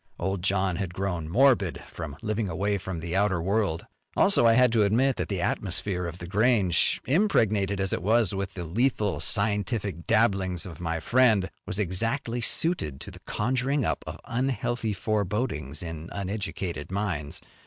Old John had grown morbid from living away from the outer world. Also, I had to admit that the atmosphere of The Grange, impregnated as it was with the lethal scientific dabblings of my friend, was exactly suited to the conjuring up of unhealthy forebodings in uneducated minds.